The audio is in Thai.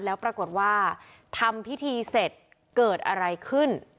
แล้วปรากฏว่าทำพิธีเสร็จเกิดอะไรขึ้น